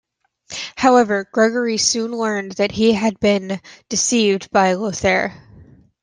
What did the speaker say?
However, Gregory soon learned that he had been deceived by Lothair.